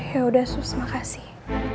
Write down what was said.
ya udah sus makasih